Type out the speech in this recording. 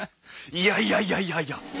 いやいやいやいやいや！